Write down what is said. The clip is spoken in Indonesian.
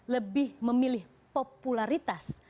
lebih memilih popularitas